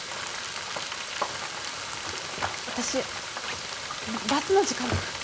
私バスの時間だから。